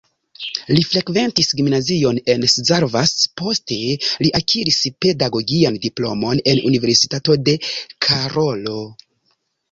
Li frekventis gimnazion en Szarvas, poste li akiris pedagogian diplomon en Universitato de Karolo.